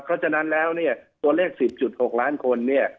เพราะฉะนั้นแล้วเนี่ยตัวเลข๑๐๖ล้านคนเนี่ย